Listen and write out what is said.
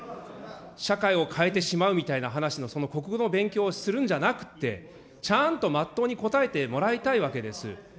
社会を変えてしまうみたいな話の国語の勉強するんじゃなくて、ちゃんと全うに答えてもらいたいわけです。